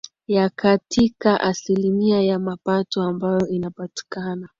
ya katika asilimia ya mapato ambayo inapatikana